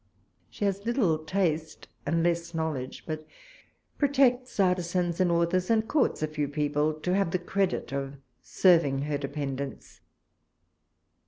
She has little taste and less knowledge, but protects artisans and authors, and courts a few people to have the credit of serving her dependents.